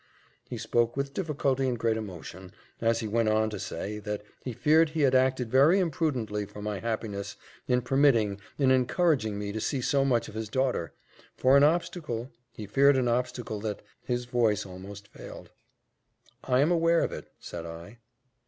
He spoke with difficulty and great emotion, as he went on to say, that he feared he had acted very imprudently for my happiness in permitting, in encouraging me to see so much of his daughter; for an obstacle he feared an obstacle that His voice almost failed. "I am aware of it," said I.